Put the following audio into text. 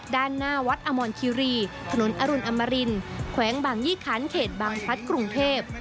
ด้านหน้าวัดอมรคิรีถนนอรุณอมรินแขวงบางยี่คันเขตบางพัดกรุงเทพ